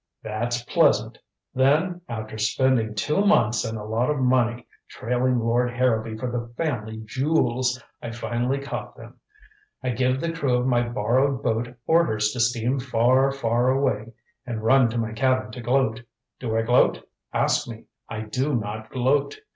That's pleasant! Then, after spending two months and a lot of money trailing Lord Harrowby for the family jools, I finally cop them. I give the crew of my borrowed boat orders to steam far, far away, and run to my cabin to gloat. Do I gloat? Ask me. I do not gloat.